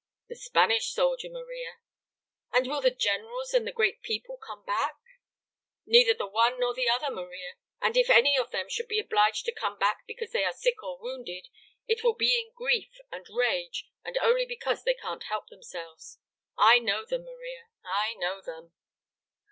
"The Spanish soldier, Maria." "And will the generals and the great people come back?" "Neither the one nor the other, Maria. And if any of them should be obliged to come back because they are sick or wounded, it will be in grief and rage, and only because they can't help themselves; I know them, Maria, I know them."